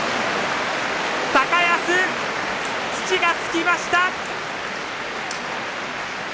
高安、土がつきました。